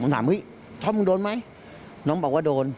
ถ้ามึงดดมั้ยน้องกู้ภัยบอกว่าโดน